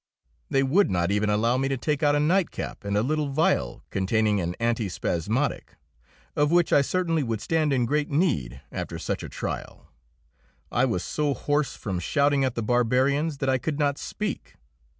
They would not even allow me to take out a nightcap and a little vial containing an antispasmodic, of which I certainly would stand in great need after such a trial. I was so hoarse from shouting at the barbarians that I could not speak.